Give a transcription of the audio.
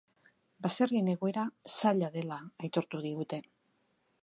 Baserrien egoera zaila dela aitortu digute.